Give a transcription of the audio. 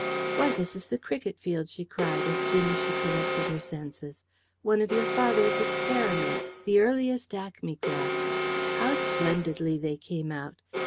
"Why, this is the cricket field!" she cried, as soon as she collected her senses. "One of your father's experiments. The earliest acmegraphs. How splendidly they come out!